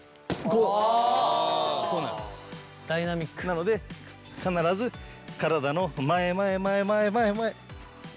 なので必ず体の前前前前前前。